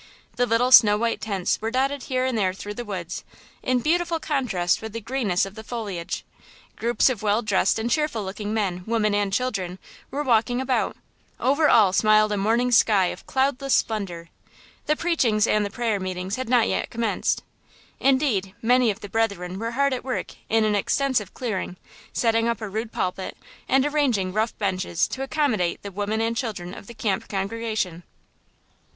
The little snow white tents were dotted here and there through the woods, in beautiful contrast with the greenness of the foliage, groups of well dressed and cheerful looking men, women and children were walking about; over all smiled a morning sky of cloudless splendor. The preachings and the prayer meetings had not yet commenced. Indeed, many of the brethren were hard at work in an extensive clearing, setting up a rude pulpit, and arranging rough benches to accommodate the women and children of the camp congregation.